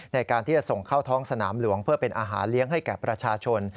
ในการที่จะส่งเข้าท้องสนามหลวงเพื่อเป็นอาหารเลี้ยงให้แก่ประชาชน